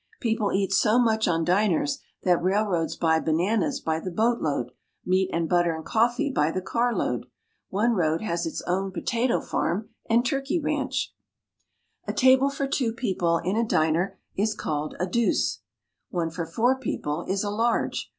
People eat so much on diners that railroads buy bananas by the boatload, meat and butter and coffee by the carload. One road has its own potato farm and turkey ranch. A table for two people in a diner is called a deuce. One for four people is a large.